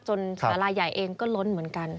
สาราใหญ่เองก็ล้นเหมือนกัน